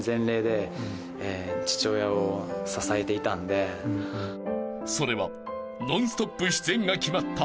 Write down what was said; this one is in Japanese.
［それは『ノンストップ！』出演が決まった１１年前のこと］